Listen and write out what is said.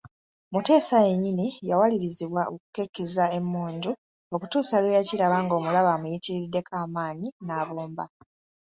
Muteesa yennyini yawalirizibwa okukekkeza emmundu okutuusa lwe yakiraba ng’omulabe amuyitiriddeko amaanyi n'abomba.